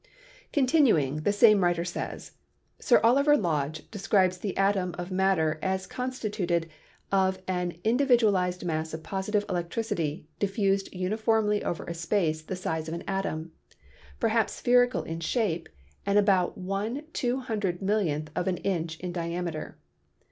Continuing, the same writer says: "Sir Oliver Lodge describes the atom of matter as constituted of an indi vidualized mass of positive electricity diffused uniformly over a space the size of an atom, perhaps spherical in AN ANALYSIS OF MATTER 19 shape and about one two hundred millionth of an inch in diameter.